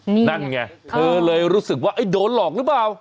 นั่นไงเธอเลยรู้สึกว่าไอ้โดนหลอกหรือเปล่า